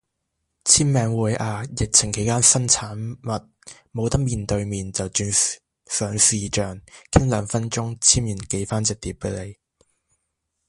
簽名會啊，疫情期間新產物，冇得面對面就轉線上視象，傾兩分鐘簽完寄返隻碟俾你